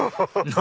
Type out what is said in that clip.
何？